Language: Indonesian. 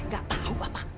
gak tau bapak